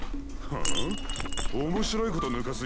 ほう面白いこと抜かす